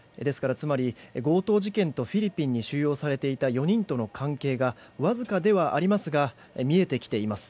つまり強盗事件とフィリピンに収容されていた４人との関係がわずかではありますが見えてきています。